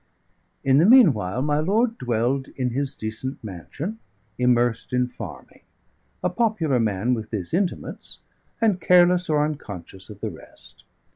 In the meanwhile my lord dwelled in his decent mansion, immersed in farming; a popular man with his intimates, and careless or unconscious of the rest.